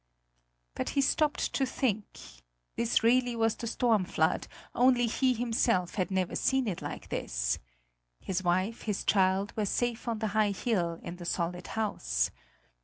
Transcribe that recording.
But he stopped to think: this really was the storm flood; only he himself had never seen it like this. His wife, his child, were safe on the high hill, in the solid house.